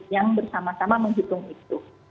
yang bersama sama menghitung itu